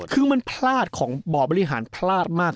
คือมันพลาดของบ่อบริหารพลาดมาก